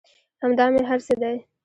همدا مې هر څه دى.